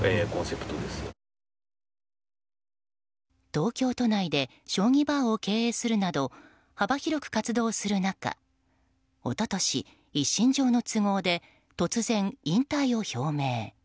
東京都内で将棋バーを経営するなど幅広く活動する中一昨年、一身上の都合で突然、引退を表明。